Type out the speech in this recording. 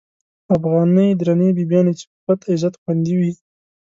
افغانی درنی بیبیانی، چی په پت عزت خوندی وی